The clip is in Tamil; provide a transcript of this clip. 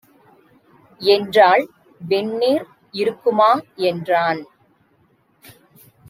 என்றாள். "வெந்நீர் இருக்குமா" என்றான்.